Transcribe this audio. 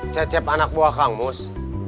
cecep anak buah kangmus